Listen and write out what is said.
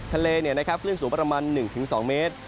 ทะเลเนี่ยนะครับคลื่นสูงประมาณ๑๒เมตร